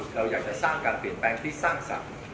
เราอยากจะสร้างการเปลี่ยนแปลงที่สร้างสรรค์